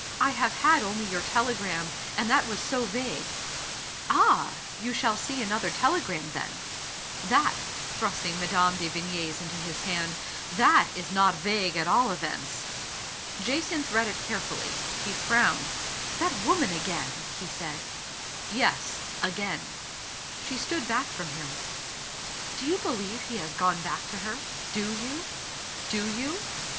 I have had only your telegram, and that was so vague.*' "Ah ! You shall see another telegram then. That, thrusting Mme. de Vigny*s into his hand, *'th(it \% not vague at all events/' Digitized by Google MRS, HUNGERFORD. 183 Jacynth read it carefully. He frowned. "That woman again ! he said. "Yes. Again.'* She stood back from him. "Do you believe he has gone back to her? Do you? Do you?"